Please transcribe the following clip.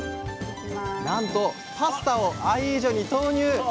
なんとパスタをアヒージョに投入。